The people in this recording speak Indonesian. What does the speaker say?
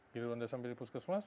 di rwanda sampai di puskes mas